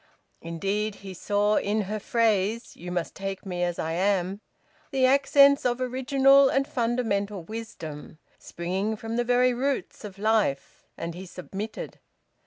Indeed he saw in her phrase, "You must take me as I am," the accents of original and fundamental wisdom, springing from the very roots of life. And he submitted.